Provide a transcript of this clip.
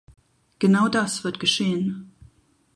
Genau das wird geschehen.